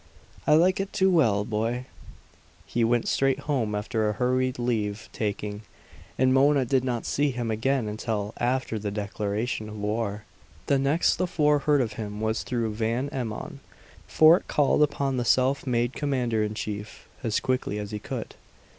"I like it too well, boy." He went straight home after a hurried leave taking, and Mona did not see him again until after the declaration of war. The next the four heard of him was through Van Emmon; Fort called upon the self made commander in chief as quickly as he could.